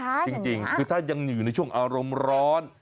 จริงคือถ้ายังอยู่ในช่วงอารมณ์ร้อน